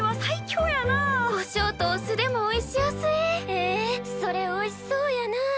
コショウとお酢でもおいしおすえ！えそれおいしそうやなあ！